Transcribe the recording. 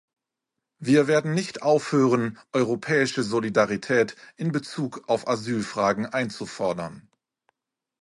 Wir werden nicht aufhören, europäische Solidarität in Bezug auf Asylfragen einzufordern.